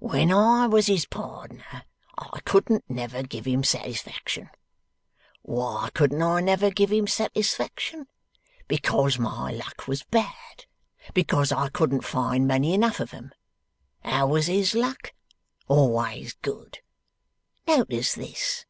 When I was his pardner, I couldn't never give him satisfaction. Why couldn't I never give him satisfaction? Because my luck was bad; because I couldn't find many enough of 'em. How was his luck? Always good. Notice this!